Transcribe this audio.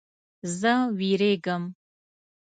زه ویریږم